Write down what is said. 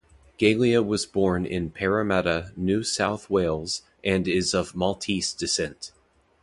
Galea was born in Parramatta, New South Wales, and is of Maltese descent.